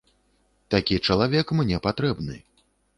Такі чалавек мне патрэбны.